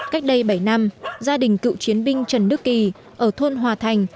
cách đây bảy năm gia đình cựu chiến binh trần đức kỳ ở thôn hòa thành